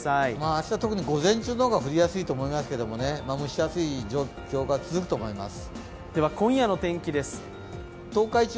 明日特に午前中の方が降りやすいと思いますけど、蒸し暑い状況が続くと思います。